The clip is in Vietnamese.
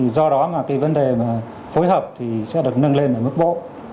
do đó vấn đề phối hợp sẽ được nâng lên mức bộ